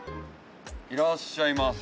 「いらっしゃいませ」。